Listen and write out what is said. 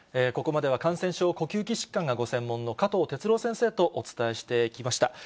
ここまでは、感染症、呼吸器疾患がご専門の加藤哲朗先生とお伝えしてきました。